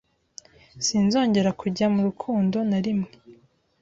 sinzongera kujya mu rukundo na rimwe,